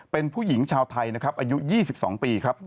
เป็นผู้หญิงชาวไทยอายุ๒๒ปี